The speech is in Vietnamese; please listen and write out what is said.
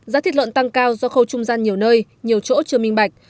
giá thịt lợn tăng cao do khâu trung gian nhiều nơi nhiều chỗ chưa minh bạch